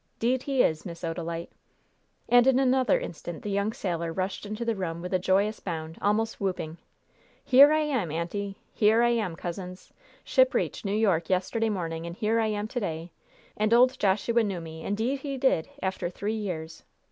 'Deed he is, Miss Odalite!" And in another instant the young sailor rushed into the room with a joyous bound, almost whooping: "Here I am, auntie! Here I am, cousins! Ship reached New York yesterday morning, and here I am to day! And old Joshua knew me! Indeed he did, after three years.